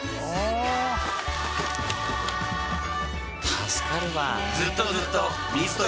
助かるわ。